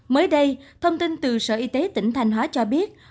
mới đây thông tin từ sở y tế tỉnh thanh hóa cho biết